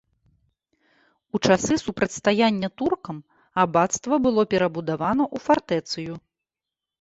У часы супрацьстаяння туркам абацтва было перабудавана ў фартэцыю.